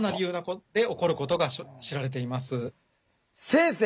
先生